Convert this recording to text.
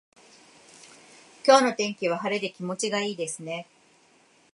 今日の天気は晴れで気持ちがいいですね。